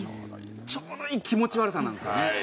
ちょうどいい気持ち悪さなんですよね。